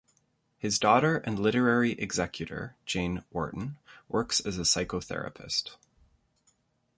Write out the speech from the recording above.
His daughter and literary executor, Jane Wharton, works as a psychotherapist.